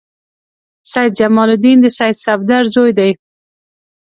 سید جمال الدین د سید صفدر زوی دی.